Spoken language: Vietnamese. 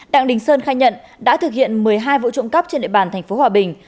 đặng đình sơn khai nhận đã thực hiện một mươi hai vũ trụng cấp trên địa bàn tp hòa bình